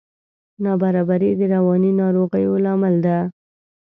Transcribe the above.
نابرابري د رواني ناروغیو لامل ده.